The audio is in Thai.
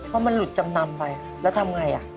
เพราะมันหลุดจำนำไปแล้วทำไง